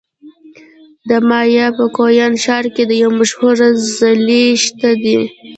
د مایا په کوپان ښار کې یو مشهور څلی شته دی